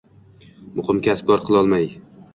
Muqim kasb-kor qilolmay